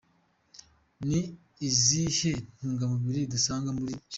Ni izihe ntungamubiri dusanga mu gisheke?.